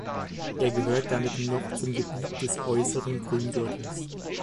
Er gehört damit noch zum Gebiet des äußeren Grüngürtels.